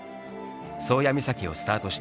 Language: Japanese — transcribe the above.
宗谷岬をスタートした